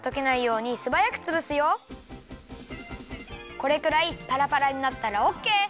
これくらいパラパラになったらオッケー！